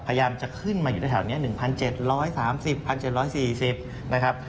พยายามจะขึ้นมาอยู่ในแถวนี้๑๗๓๐๑๗๔๐นะครับ